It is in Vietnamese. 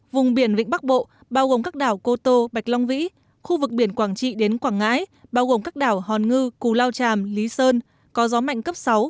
vùng biển vịnh bắc bộ bao gồm các đảo cô tô bạch long vĩ khu vực biển quảng trị đến quảng ngãi bao gồm các đảo hòn ngư cù lao tràm lý sơn có gió mạnh cấp sáu